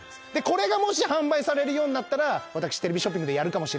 これがもし販売されるようになったら私テレビショッピングでやるかもしれないんでその時には。